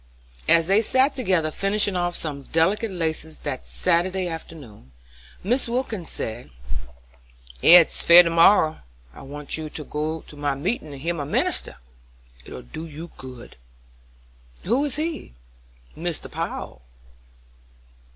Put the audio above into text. As they sat together finishing off some delicate laces that Saturday afternoon, Mrs. Wilkins said, "Ef it's fair to morrow I want you to go to my meetin' and hear my minister. It'll do you good." "Who is he?" "Mr. Power."